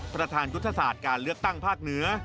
ประธานยุทธศาสตร์การเลือกตั้งภาคเหนือ